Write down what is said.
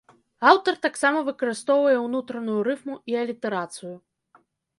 Аўтар таксама выкарыстоўвае ўнутраную рыфму і алітэрацыю.